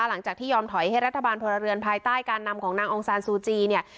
หลังจากที่ยอมถอยให้รัฐบาลพลเรือนภายใต้การนำของนางองซานซูจีเนี่ย